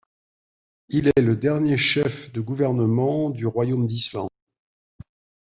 Il est le dernier chef de gouvernement du Royaume d'Islande.